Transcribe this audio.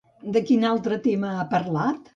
De quin altre tema ha parlat?